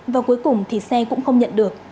và cuối cùng thì xe cũng không nhận được